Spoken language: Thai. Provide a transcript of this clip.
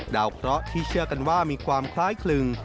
เคราะห์ที่เชื่อกันว่ามีความคล้ายคลึง